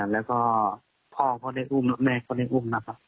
แล้วก็พ่อก็ได้อุ้มแม่เขาได้อุ้มนะครับ